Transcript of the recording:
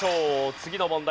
次の問題